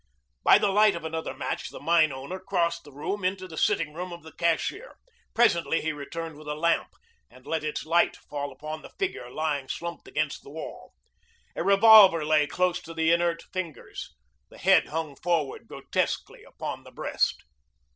By the light of another match the mine owner crossed the room into the sitting room of the cashier. Presently he returned with a lamp and let its light fall upon the figure lying slumped against the wall. A revolver lay close to the inert fingers. The head hung forward grotesquely upon the breast.